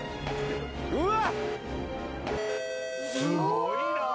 うわ！